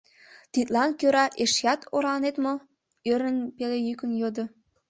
— Тидлан кӧра эшеат орланет мо? — ӧрын, пеле йӱкын йодо.